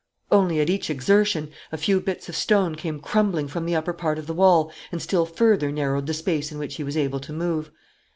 Only, at each exertion, a few bits of stone came crumbling from the upper part of the wall and still further narrowed the space in which he was able to move.